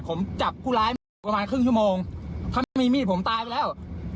ผมจับผู้ร้ายเพราะว่าครึ่งชั่วโมงข้ามีมีผมตายไปแล้ว